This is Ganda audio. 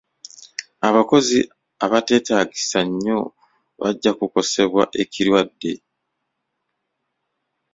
Abakozi abatetaagisa nnyo bajja kukosebwa ekirwadde.